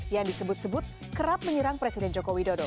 yang disebut sebut kerap menyerang presiden jokowi dodo